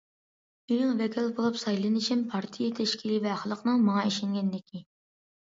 مېنىڭ ۋەكىل بولۇپ سايلىنىشىم پارتىيە تەشكىلىي ۋە خەلقنىڭ ماڭا ئىشەنگەنلىكى.